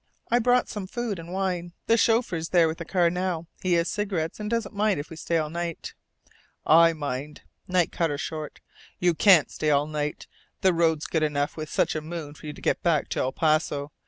"I brought some food and wine. The chauffeur's there with the car now. He has cigarettes, and doesn't mind if we stay all night." "I mind," Knight cut her short. "You can't stay all night. The road's good enough with such a moon for you to get back to El Paso.